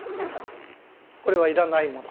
これはいらないもの。